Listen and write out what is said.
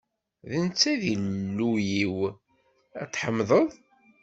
D netta i d Illu-iw, ad t-ḥemdeɣ.